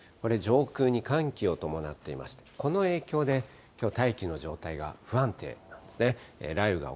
これ、上空に寒気を伴っていまして、この影響で、きょう大気の状態が不安定なんですね。